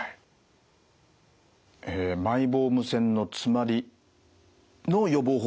えマイボーム腺の詰まりの予防法